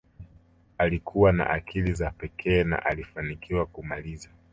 alikuwa na akili za pekee na alifanikiwa kumaliza